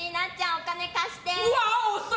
お金貸して。